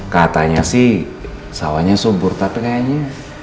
katanya sih sawahnya subur tapi kayaknya